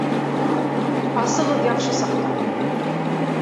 Асығыҙ яҡшы саҡта!